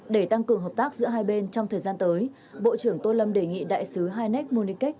để tăng cường hợp tác giữa hai bên trong thời gian tới bộ trưởng tô lâm đề nghị đại sứ heineck kamoniket